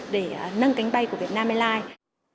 để nâng cánh bay của việt nam airlines